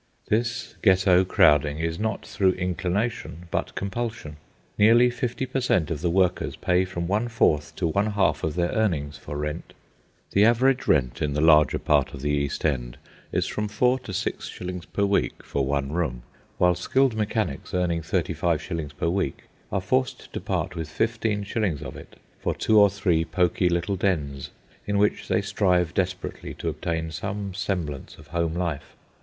This Ghetto crowding is not through inclination, but compulsion. Nearly fifty per cent. of the workers pay from one fourth to one half of their earnings for rent. The average rent in the larger part of the East End is from four to six shillings per week for one room, while skilled mechanics, earning thirty five shillings per week, are forced to part with fifteen shillings of it for two or three pokey little dens, in which they strive desperately to obtain some semblance of home life.